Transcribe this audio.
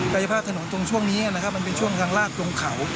ไกลภาพถนนตรงช่วงนี้มันเป็นช่วงทางลากตรงเขา